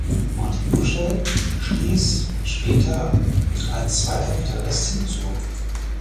Martin Bushell stieß später als zweiter Gitarrist hinzu.